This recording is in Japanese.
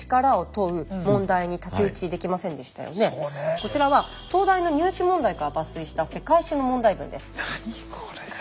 こちらは東大の入試問題から抜粋した世界史の問題文です。